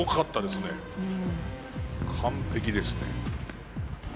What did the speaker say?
完璧ですね。